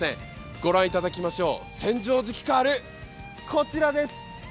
御覧いただきましょう、千畳敷カール、こちらです！